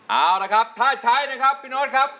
เอาละครับถ้าใช้นะครับพี่โน๊ตครับ